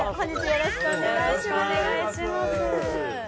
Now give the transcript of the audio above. よろしくお願いします。